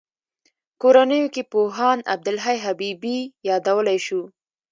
کورنیو کې پوهاند عبدالحی حبیبي یادولای شو.